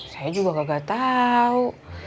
saya juga kagak tau